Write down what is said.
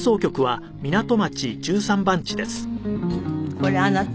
これあなた？